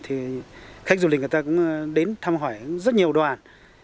thì khách du lịch người ta cũng đến thăm hỏi rất nhiều đoàn